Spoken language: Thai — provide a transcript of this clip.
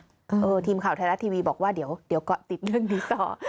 ทีมข่าวไทยรัฐทีวีบอกว่าเดี๋ยวเกาะติดเรื่องนี้ต่อ